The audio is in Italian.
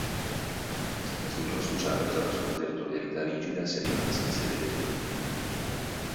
La struttura sociale è basata sulla territorialità rigida sia dei maschi sia delle femmine.